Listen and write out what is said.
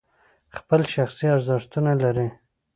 خپل شخصي ارزښتونه لري.